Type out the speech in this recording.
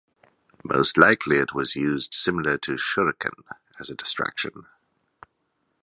Most likely, it was used similar to "shuriken", as a distraction.